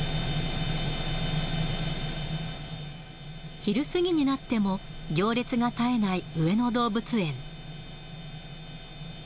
昼過ぎになっても、行列が絶えない上野動物園。